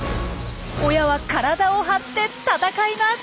親は体を張って戦います！